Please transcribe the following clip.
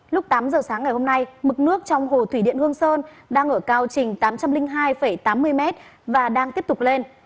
lúc tám giờ sáng ngày hôm nay mực nước trong hồ thủy điện hương sơn đang ở cao trình tám trăm linh hai tám mươi m và đang tiếp tục lên